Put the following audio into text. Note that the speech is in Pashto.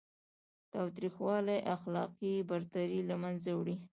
تاوتریخوالی اخلاقي برتري له منځه وړي.